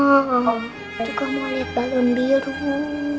aku juga mau liat balon biru